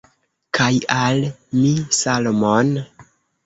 Kaj al mi salmon.